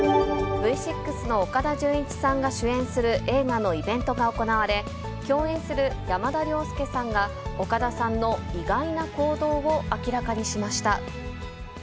Ｖ６の岡田准一さんが主演する映画のイベントが行われ、共演する山田涼介さんが、岡田さんの意外な行動を明らかにしました。